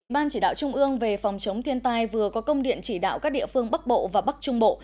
ban chỉ đạo trung ương về phòng chống thiên tai vừa có công điện chỉ đạo các địa phương bắc bộ và bắc trung bộ